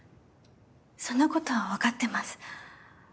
そんなことはわかってます。